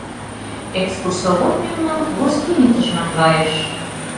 Экскурсовод мемнам гостиницыш наҥгайыш.